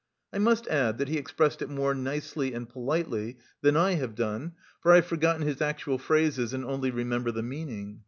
I must add that he expressed it more nicely and politely than I have done, for I have forgotten his actual phrases and only remember the meaning.